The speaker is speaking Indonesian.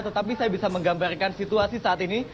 tetapi saya bisa menggambarkan situasi saat ini